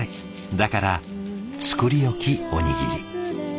だから作り置きおにぎり。